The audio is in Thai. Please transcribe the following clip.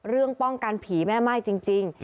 เรื่องป้องกันผีแม่ม่ายจริง